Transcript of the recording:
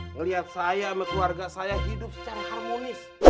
ngelihat saya sama keluarga saya hidup secara harmonis